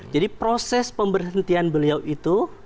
jadi proses pemberhentian beliau itu